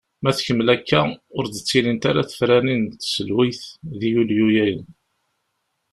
Ma tkemmel akka, ur d-ttilint ara tefranin n tselweyt di yulyu-agi.